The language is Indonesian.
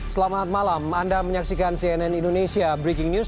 selamat malam anda menyaksikan cnn indonesia breaking news